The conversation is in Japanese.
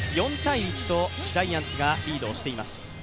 ４−１とジャイアンツがリードしています。